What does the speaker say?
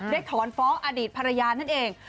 ถอนฟ้องอดีตภรรยานั่นเอง